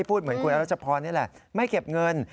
พูดเหมือนคุณอรัชพรนี่แหละไม่เก็บเงิน